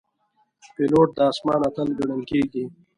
پیلوټ د آسمان اتل ګڼل کېږي.